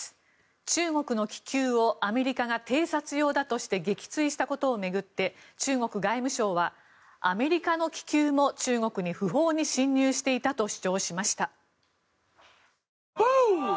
中国の気球をアメリカが偵察用だとして撃墜したことを巡って中国外務省はアメリカの気球も中国に不法に侵入していたと主張しました。